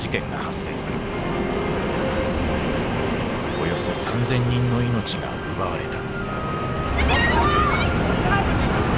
およそ３，０００人の命が奪われた。